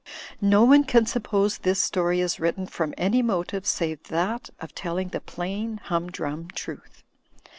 No one can suppose this story is written from any motive save that of telling the plain, humdrum truth.